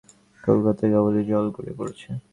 তার ছাদে বের হবার জো নেই, কলতলায় কেবলই জল গড়িয়ে পড়ছে।